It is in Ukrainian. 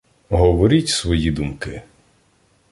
Говоріть свої думки.